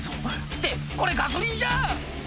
「ってこれガソリンじゃん！」